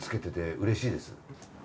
うれしいです。